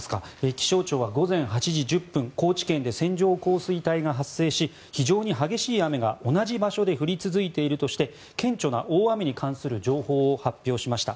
気象庁は午前８時１０分高知県で線状降水帯が発生し非常に激しい雨が同じ場所で降り続いているとして顕著な大雨に関する情報を発表しました。